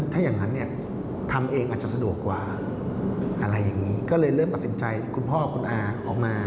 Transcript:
ถ้าอย่างนั้นเนี่ยทำเองอาจจะสะดวกกว่าอะไรอย่างนี้ก็เลยเริ่มตัดสินใจคุณพ่อคุณอาออกมา